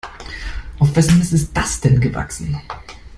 Auf wessen Mist ist das gewachsen?